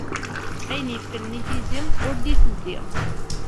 Ayen yiflen i tizi, ur d-itezzi.